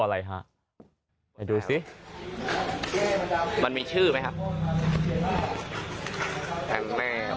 แหม่งแม่ง